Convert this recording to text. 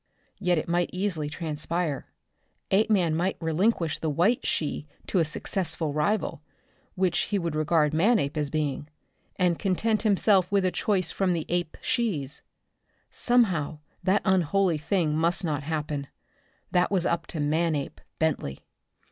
Yet it might easily transpire. Apeman might relinquish the white she to a successful rival which he would regard Manape as being and content himself with a choice from the ape she's. Somehow that unholy thing must not happen. That was up to Manape Bentley.